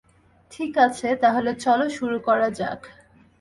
ঠিক আছে, তাহলে চলো শুরু করা যাক।